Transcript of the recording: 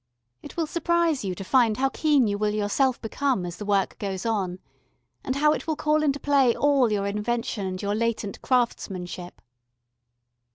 It will surprise you to find how keen you will yourself become as the work goes on, and how it will call into play all your invention and your latent craftsmanship.